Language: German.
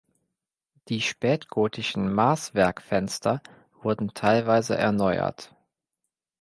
Die spätgotischen Maßwerkfenster wurden teilweise erneuert.